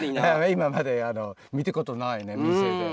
今まで見たことないね店で。